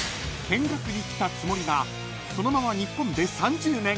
［見学に来たつもりがそのまま日本で３０年？］